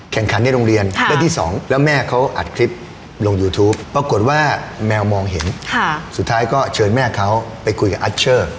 ขันในโรงเรียนเรื่องที่สองแล้วแม่เขาอัดคลิปลงยูทูปปรากฏว่าแมวมองเห็นสุดท้ายก็เชิญแม่เขาไปคุยกับอัชเชอร์